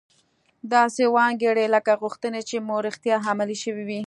داسې و انګیرئ لکه غوښتنې چې مو رښتیا عملي شوې وي